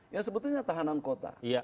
yang sebetulnya tahanan kota